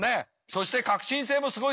そして革新性もすごいです。